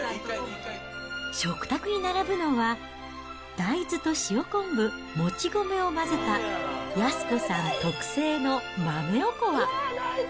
食卓に並ぶのは、大豆と塩昆布、もち米を混ぜた、安子さん特製の豆おこわ。